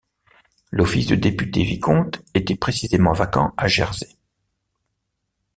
L’office de député-vicomte était précisément vacant à Jersey.